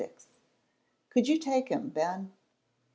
XXVI "COULD YOU TAKE HIM, BEN?"